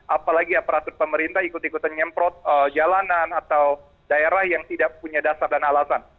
apalagi aparatur pemerintah ikut ikutan nyemprot jalanan atau daerah yang tidak punya dasar dan alasan